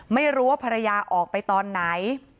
ไม่รู้ว่าภรรยาออกไปตอนไหน